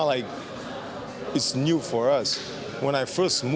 kami berpikir amerika menjadi sangat besar